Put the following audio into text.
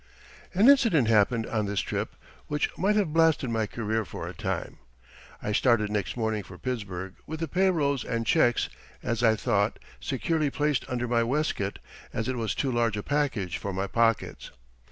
An incident happened on this trip which might have blasted my career for a time. I started next morning for Pittsburgh with the pay rolls and checks, as I thought, securely placed under my waistcoat, as it was too large a package for my pockets.